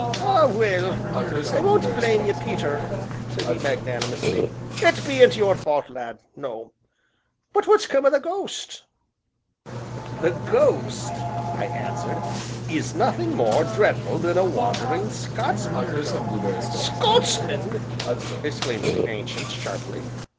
"Ah, well! I won't blame ye, Peter," said he magnanunously, "it bean't your fault, lad, no but what's come to the ghost!" "The ghost," I answered, "is nothing more dreadful than a wandering Scotsman!" "Scotsman!" exclaimed the Ancient sharply.